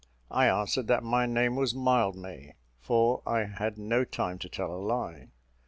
I answered that my name was Mildmay; for I had no time to tell a lie.